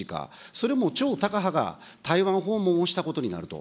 それも超タカ派が台湾訪問をしたことになると。